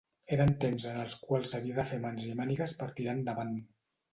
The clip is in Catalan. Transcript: Eren temps en els quals s'havia de fer mans i mànigues per tirar endavant.